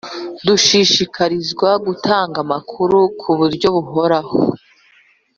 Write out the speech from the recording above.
Dushishikarizwa gutanga amakuru ku buryo buhoraho